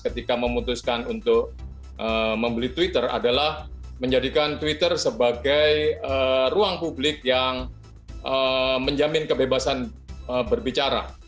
ketika memutuskan untuk membeli twitter adalah menjadikan twitter sebagai ruang publik yang menjamin kebebasan berbicara